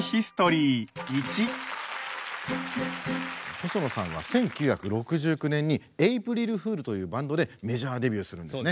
細野さんは１９６９年にエイプリル・フールというバンドでメジャーデビューするんですね。